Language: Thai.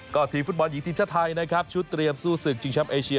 ก็ทีมฟุตบอลหญิงทีมชาติไทยนะครับชุดเตรียมสู้ศึกชิงช้ำเอเชีย